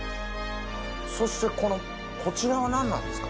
そしてこちらは何なんですか？